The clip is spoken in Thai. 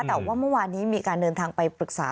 แต่ว่าเมื่อวานนี้มีการเดินทางไปปรึกษา